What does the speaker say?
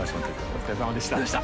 お疲れさまでした。